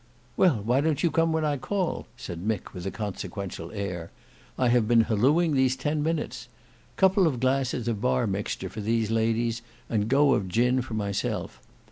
"Well, why don't you come when I call," said Mick with a consequential air. "I have been hallooing these ten minutes. Couple of glasses of bar mixture for these ladies and go of gin for myself.